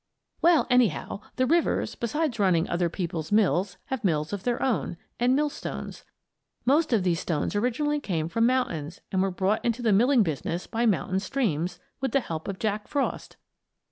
Well, anyhow, the rivers, besides running other people's mills, have mills of their own; and millstones. Most of these stones originally came from mountains and were brought into the milling business by mountain streams, with the help of Jack Frost.